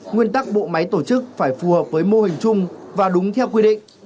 nguyên tắc bộ máy tổ chức phải phù hợp với mô hình chung và đúng theo quy định